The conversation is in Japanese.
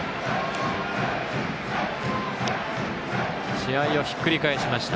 試合をひっくり返しました。